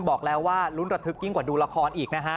บอกแล้วว่าลุ้นระทึกยิ่งกว่าดูละครอีกนะฮะ